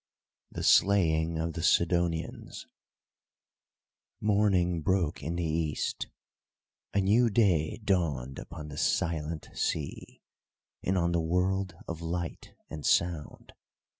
THE SLAYING OF THE SIDONIANS Morning broke in the East. A new day dawned upon the silent sea, and on the world of light and sound.